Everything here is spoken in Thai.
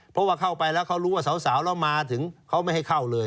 เพราะว่าเข้าไปแล้วเขารู้ว่าสาวแล้วมาถึงเขาไม่ให้เข้าเลย